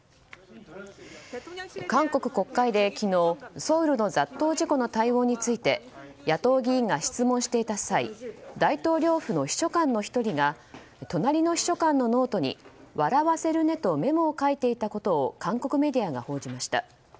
韓国国会で昨日ソウルの雑踏事故の対応について野党議員が質問していた際大統領府の秘書官の１人が隣の秘書官のノートに「笑わせるね」とメモを書いていたことを韓国メディアが報じました。